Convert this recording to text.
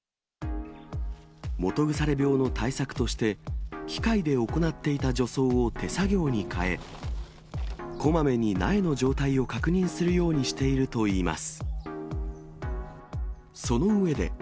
基腐病の対策として、機械で行っていた除草を手作業に変え、こまめに苗の状態を確認するようにしているといいます。